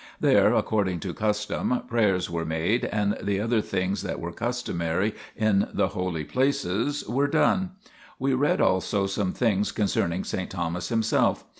There, accord ing to custom, prayers were made and the other things that were customary in the holy places were done ; we read also some things concerning saint Thomas himself.